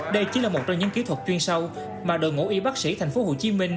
đây chỉ là một trong những kỹ thuật chuyên sâu mà đội ngũ y bác sĩ tp hcm